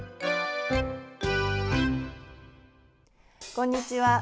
こんにちは。